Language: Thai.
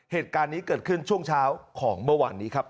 เหตุการณ์นี้เกิดขึ้นช่วงเช้าของเมื่อวานนี้ครับ